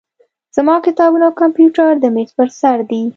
زما کتابونه او کمپیوټر د میز په سر دي.